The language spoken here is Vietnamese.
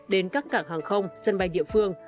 đến các cảng hàng không sân bay địa phương